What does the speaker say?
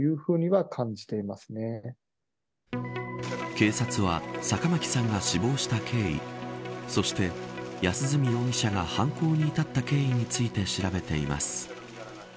警察は坂巻さんが死亡した経緯そして、安栖容疑者が犯行に至った経緯について調べています。